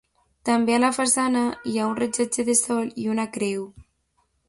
També a la façana hi ha un rellotge de sol, i una creu.